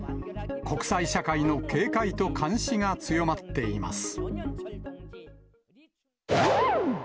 国際社会の警戒と監視が強まっています。